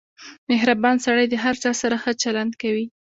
• مهربان سړی د هر چا سره ښه چلند کوي.